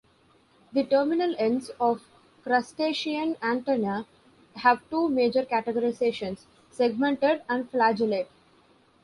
The terminal ends of crustacean antennae have two major categorizations: segmented and flagellate.